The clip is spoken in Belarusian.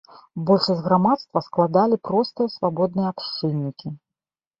Большасць грамадства складалі простыя свабодныя абшчыннікі.